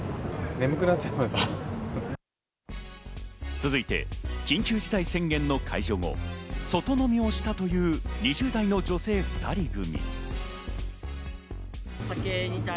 続いて緊急事態宣言の解除後、外飲みをしたという２０代の女性２人組。